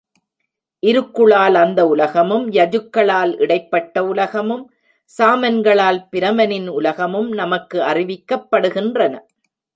இருக்குளால் அந்த உலகமும், யஜுக்களால் இடைப்பட்ட உலகமும் சாமன்களால் பிரமனின் உலகமும் நமக்கு அறிவிக்கப்படுகின்றன.